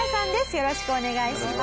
よろしくお願いします。